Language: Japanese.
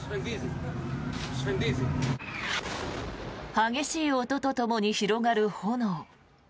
激しい音とともに広がる炎。